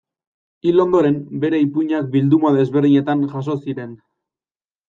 Hil ondoren bere ipuinak bilduma desberdinetan jaso ziren.